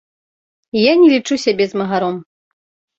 Я не лічу сябе змагаром.